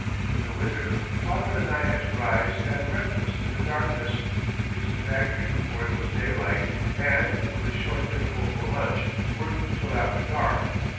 In the winter father and I had to rise and breakfast in the darkness, reach the factory before it was daylight, and, with a short interval for lunch, work till after dark.